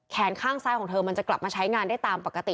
ข้างซ้ายของเธอมันจะกลับมาใช้งานได้ตามปกติ